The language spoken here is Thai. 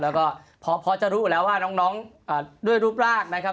แล้วก็พอจะรู้อยู่แล้วว่าน้องด้วยรูปร่างนะครับ